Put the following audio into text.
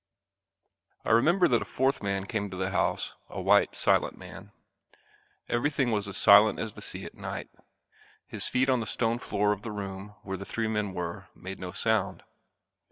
I remember that a fourth man came to the house, a white silent man. Everything was as silent as the sea at night. His feet on the stone floor of the room where the three men were made no sound.